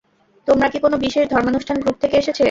তোমরা কি কোনো বিশেষ ধর্মানুষ্টান গ্রুপ থেকে এসেছে?